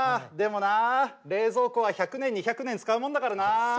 でもな冷蔵庫は１００年２００年使うもんだからなあ。